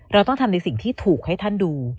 เราต้องทำในสิ่งที่ถูกให้ท่านดู